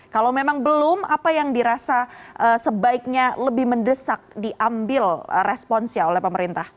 kalau memang belum apa yang dirasa sebaiknya lebih mendesak diambil responsnya oleh pemerintah